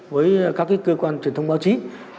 với các cơ quan truyền thông báo chí